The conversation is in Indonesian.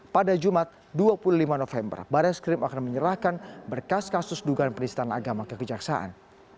pada jumat dua puluh lima november barreskrim akan menyerahkan berkas kasus dugaan penistaan agama kekejaksaan